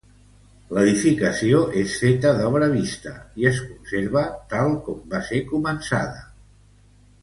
L'edificació és feta d'obra vista i es conserva tal com va ser començada.